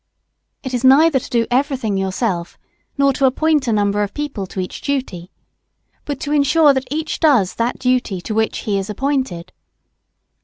It is neither to do everything yourself nor to appoint a number of people to each duty, but to ensure that each does that duty to which he is appointed.